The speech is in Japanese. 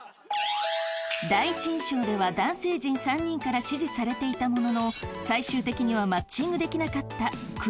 第一印象では男性陣３人から支持されていたものの最終的にはマッチングできなかったくるみさんの素顔とは？